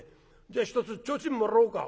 じゃあ一つ提灯もらおうか。